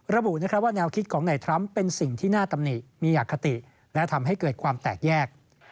ระบุว่าแนวคิดของนายทรัมป์เป็นสิ่งที่น่าตำหนิมีอคติและทำให้เกิดความแตกแยก